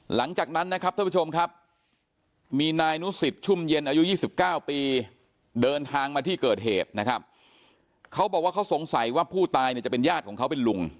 หลังจากนั้นนะครับท่านผู้ชมครับมีนายนุศิษฐ์ชุมเย็นอายุ๒๙ปีเดินทางมาที่เกิดเหตุนะครับ